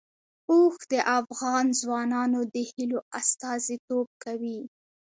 اوښ د افغان ځوانانو د هیلو استازیتوب کوي.